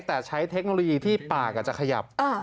แต่ใช้เทคโนโลยีที่ปากจะขยับ